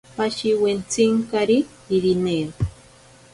Pashiwentsinkari Irineo.